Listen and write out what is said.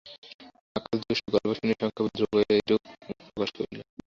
আক্কস দুষ্টু –গল্প শুনিয়া সংক্ষেপে ধ্রুব এইরূপ মত প্রকাশ করিল।